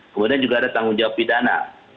kemudian juga ada tanggung jawab pidana